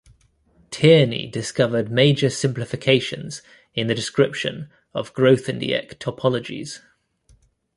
Tierney discovered major simplifications in the description of Grothendieck "topologies".